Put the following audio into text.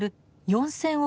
４，０００億